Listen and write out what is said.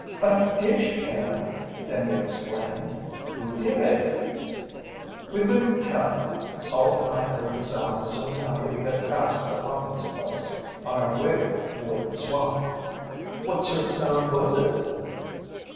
"A dishpan!" Penny exclaimed. "Who did it?" "We couldn't tell. Salt and I heard the sound soon after we had passed the Hawkins' place on our way toward the swamp." "What sort of sound was it?"